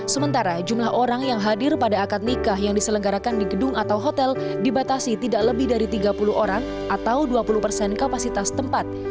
sementara jumlah orang yang hadir pada akad nikah yang diselenggarakan di gedung atau hotel dibatasi tidak lebih dari tiga puluh orang atau dua puluh persen kapasitas tempat